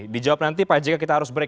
dijawab nanti pak jk kita harus break